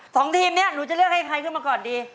สองทีมนี้หนูจะเลือกให้ใครขึ้นมาก่อนดี